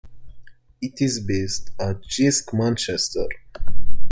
It is based at Jisc Manchester.